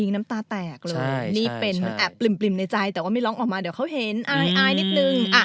น้ำตาแตกเลยนี่เป็นแอบปริ่มในใจแต่ว่าไม่ร้องออกมาเดี๋ยวเขาเห็นอายนิดนึง